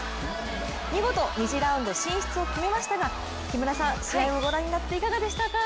見事２次ラウンド進出を決めましたが、試合をご覧になっていかがでしたか？